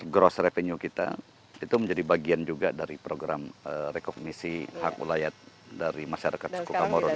gross revenue kita itu menjadi bagian juga dari program rekognisi hak kewalaian dari masyarakat suku komoro di sini